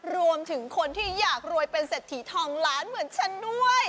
รวมถึงคนที่อยากรวยเป็นเศรษฐีทองล้านเหมือนฉันด้วย